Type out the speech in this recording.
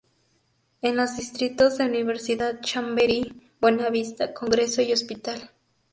En los distritos de Universidad, Chamberí, Buenavista, Congreso y Hospital.